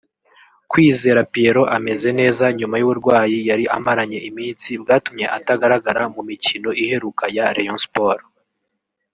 Kwizera Pierrot ameze neza nyuma y’uburwayi yari amaranye iminsi bwatumye atagaragara mu mikino iheruka ya Rayon Sports